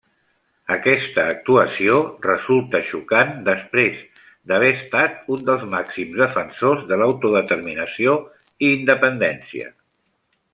Aquesta actuació resulta xocant després d'haver estat un dels màxims defensors de l'autodeterminació i independència.